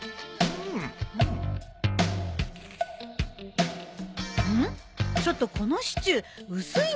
うん？